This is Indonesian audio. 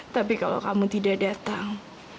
tapi kalau kamu tidak datang